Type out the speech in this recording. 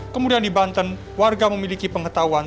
kemudian di banten warga memiliki pengetahuan